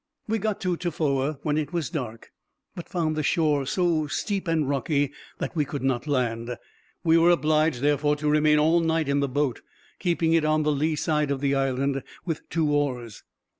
We got to Tofoa when it was dark, but found the shore so steep and rocky that we could not land. We were obliged, therefore, to remain all night in the boat, keeping it on the lee side of the island, with two oars.